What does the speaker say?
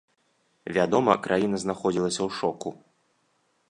Вядома, краіна знаходзілася ў шоку.